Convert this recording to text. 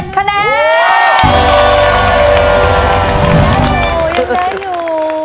โอ้ยยังแน่อยู่